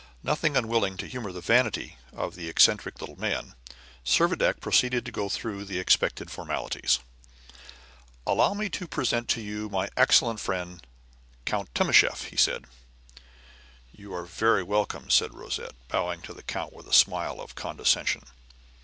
Nothing unwilling to humor the vanity of the eccentric little man, Servadac proceeded to go through the expected formalities. "Allow me to present to you my excellent friend, the Count Timascheff," he said. "You are very welcome," said Rosette, bowing to the count with a smile of condescension.